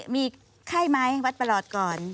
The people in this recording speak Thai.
มีไข้ไหมวัดประหลอดก่อน